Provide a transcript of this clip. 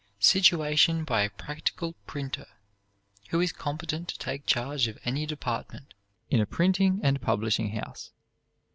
Situation by a Practical Printer, who is competent to take charge of any department in a printing and publishing house.